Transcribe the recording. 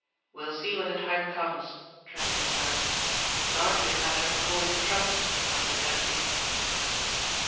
"We'll see when the time comes," Trent returned. "It's largely a matter of holding trumps my good Hentzi."